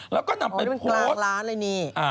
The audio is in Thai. แล้วก็นำไปโพสต์อ๋อนี่มันกลากร้านเลยนี่